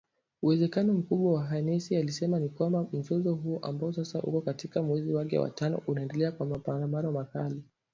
Uwezekano mkubwa Haines alisema ni kwamba, mzozo huo ambao sasa uko katika mwezi wake wa tano unaendelea kwa mapambano makali.